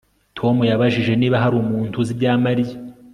Tom yabajije niba hari umuntu uzi ibya Mariya